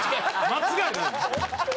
間違いない？